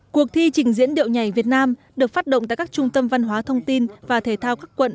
cuộc thi trình diễn điệu nhảy việt nam được phát động tại các trung tâm văn hóa thông tin và thể thao các quận